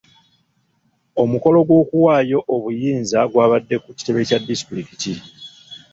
Omukolo gw'okuwaayo obuyinza gw'abadde ku kitebe kya disitulikiti.